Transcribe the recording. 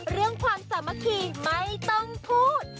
ความสามัคคีไม่ต้องพูด